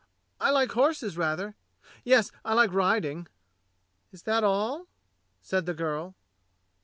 I like horses rather; yes, I like riding." "Is that all.?" said the girl.